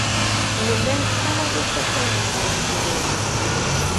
Nella nessawaḍ isafaren ɣer wegrir.